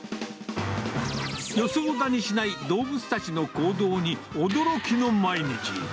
予想だにしない動物たちの行動に、驚きの毎日。